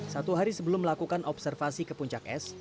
satu hari sebelum melakukan observasi ke puncak es